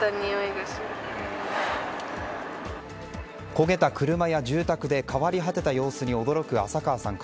焦げた車や住宅で変わり果てた様子に驚く浅川さん